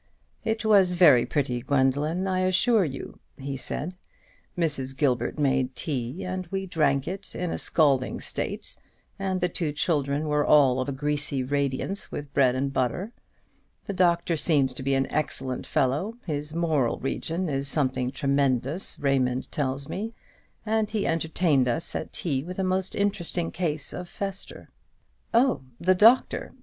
"It was very pretty, Gwendoline, I assure you," he said. "Mrs. Gilbert made tea, and we drank it in a scalding state; and the two children were all of a greasy radiance with bread and butter. The doctor seems to be an excellent fellow; his moral region is something tremendous, Raymond tells me, and he entertained us at tea with a most interesting case of fester." "Oh, the doctor?